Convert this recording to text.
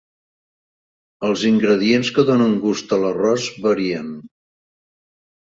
Els ingredients que donen gust a l'arròs varien.